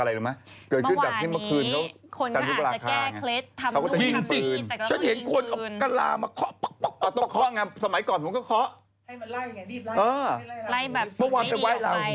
ล้ายแบบไม่ดีเลยทีไว้อะไรอย่างงี้เมื่อวานไปว่ายลาหู